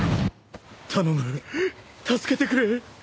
頼む助けてくれ。